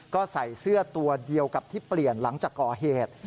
ก็ใส่เสื้อตัวเดียวกับที่เปลี่ยนหลังจากก่อเหตุ